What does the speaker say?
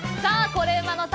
「コレうまの旅」